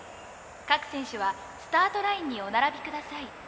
各選手はスタートラインにお並びください」。